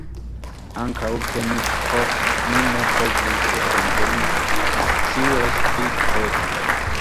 Ankaŭ ke ni ne povus kompreni; ni scios pli poste.